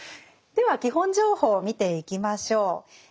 では基本情報を見ていきましょう。